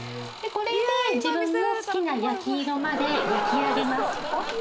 これで自分の好きな焼き色まで焼き上げます